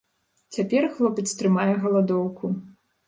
Цяпер хлопец трымае галадоўку.